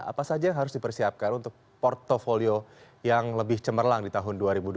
apa saja yang harus dipersiapkan untuk portfolio yang lebih cemerlang di tahun dua ribu dua puluh satu